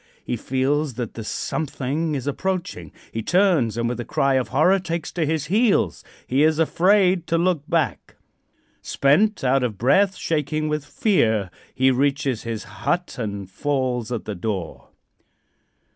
He feels that the something is approaching. He turns, and with a cry of horror takes to his heels. He is afraid to look back. Spent, out of breath, shaking with fear, he reaches his hut and falls at the door.